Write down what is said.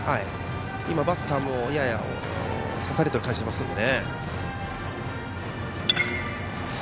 バッターも、やや刺されてる感じがしますので。